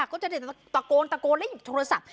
เอาแล้วยังไงดีอ่ะก็จะตะโกนตะโกนแล้วหยุดโทรศัพท์